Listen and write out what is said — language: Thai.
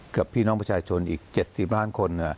กับพี่น้องประชาชนอีก๗๐ล้านคน